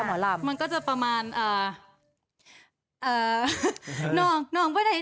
แต่ว่าหมอลำนั้นร้องมันต้องร้องยังไง